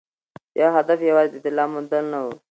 د هغه هدف یوازې د طلا موندل نه وو.